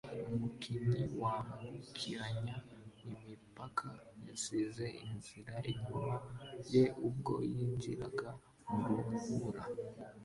Umukinnyi wambukiranya imipaka yasize inzira inyuma ye ubwo yinjiraga mu rubura